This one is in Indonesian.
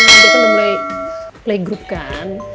dia kan udah mulai playgroup kan